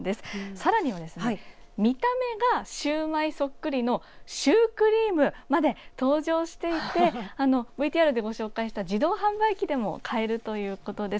さらに見た目がシューマイそっくりのシュークリームまで登場していてＶＴＲでご紹介した自動販売機でも買えるということです。